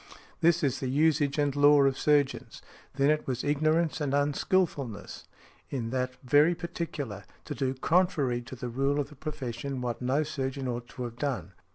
This is the usage and law of surgeons. Then it was ignorance and unskilfulness, in that very particular, to do contrary to the rule of the profession what no surgeon ought to have done.